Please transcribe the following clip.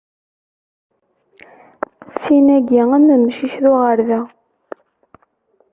Sin-agi, am umcic d uɣerda.